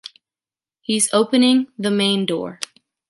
He’s opening the main door.